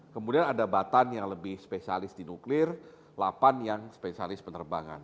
kemudian ada batan yang lebih spesialis di nuklir lapan yang spesialis penerbangan